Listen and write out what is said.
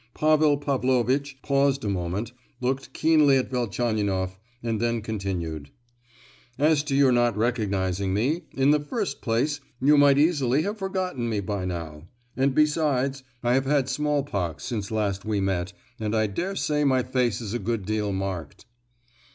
Pavel Pavlovitch paused a moment, looked keenly at Velchaninoff, and then continued: "As to your not recognizing me, in the first place you might easily have forgotten me by now; and besides, I have had small pox since last we met, and I daresay my face is a good deal marked."